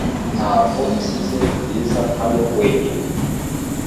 Ntabwo nsize Bwiza hano wenyine .